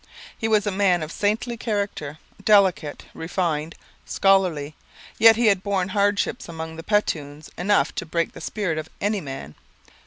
He was a man of saintly character, delicate, refined, scholarly; yet he had borne hardships among the Petuns enough to break the spirit of any man.